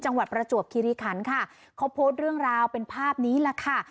ประจวบคิริขันค่ะเขาโพสต์เรื่องราวเป็นภาพนี้แหละค่ะ